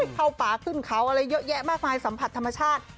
เข้าป่าขึ้นเขาอะไรเยอะแยะมากมายสัมผัสธรรมชาติ